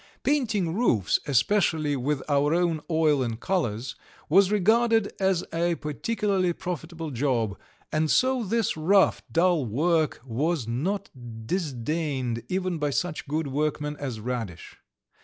Painting roofs, especially with our own oil and colours, was regarded as a particularly profitable job, and so this rough, dull work was not disdained, even by such good workmen as Radish.